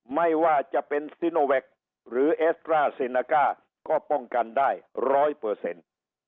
ไม่ว่าจะเป็นหรือก็ป้องกันได้ร้อยเปอร์เซ็นต์